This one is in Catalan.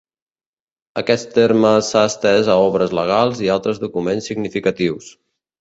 Aquest terme s'ha estès a obres legals i altres documents significatius.